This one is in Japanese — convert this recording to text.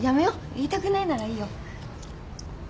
言いたくないならいいよ。